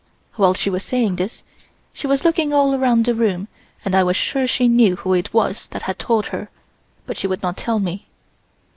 While she was saying this, she was looking all around the room and I was sure she knew who it was that had told her, but she would not tell me.